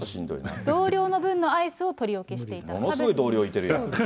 同僚の分のアイスを取り置きものすごい同僚いてるやん。